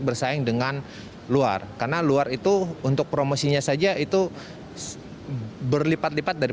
bersaing dengan luar karena luar itu untuk promosinya saja itu berlipat lipat dari